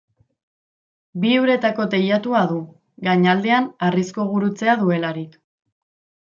Bi uretako teilatua du, gainaldean harrizko gurutzea duelarik.